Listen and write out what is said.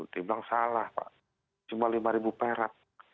dia bilang salah pak cuma rp lima perak